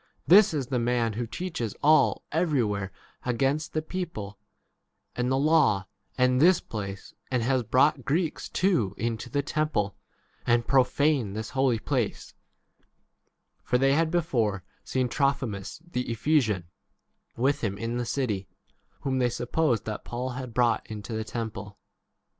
this is the man who teaches all every where against the people, and the law, and this place, and has brought Greeks too into the temple, and 29 profaned this holy place. For » T. E. reads ' may.' o Or ' purified with them, entered.' they had before seen Trophimus the Ephesian with him in the city, whom they supposed that Paul had 30 brought into the temple.